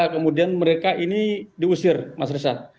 kemudian mereka ini diusir mas riza